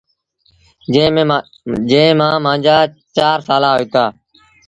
جݩهݩ مآݩ چآر مآݩجآ سآلآ هوئيٚتآ۔